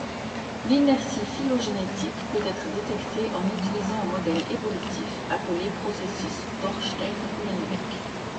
L'inertie phylogénétique peut être détecté en utilisant un modèle évolutif appelé processus d'Ornstein-Uhlenbeck.